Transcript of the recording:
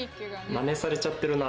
真似されちゃってるな。